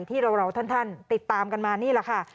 ที่เราท่านติดตามกันมานี่แหละค่ะ